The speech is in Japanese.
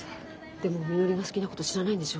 でもみのりが好きなこと知らないんでしょ？